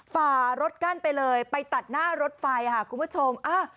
ฝ่ารถกั้นไปเลยไปตัดหน้ารถไฟค่ะคุณผู้ชม